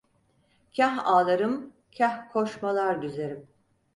Kâh ağlarım, kâh koşmalar düzerim.